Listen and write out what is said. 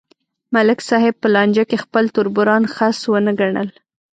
ملک صاحب په لانجه کې خپل تربوران خس ونه گڼل